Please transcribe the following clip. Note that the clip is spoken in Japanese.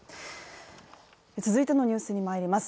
続いてのニュースにまいります。